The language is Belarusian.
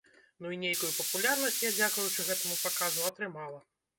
Ну і нейкую папулярнасць я, дзякуючы гэтаму паказу, атрымала.